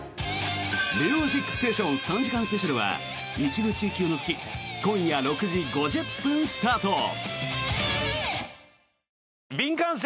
「ミュージックステーション」３時間スペシャルは一部地域を除き今夜６時５０分スタート。